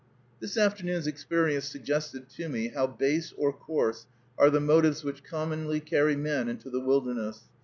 This afternoon's experience suggested to me how base or coarse are the motives which commonly carry men into the wilderness.